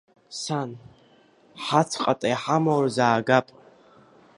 Сан, ҳацә ҟата иҳамоу рзаагап.